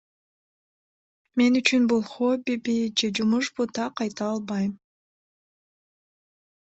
Мен үчүн бул хоббиби же жумушпу так айта албайм.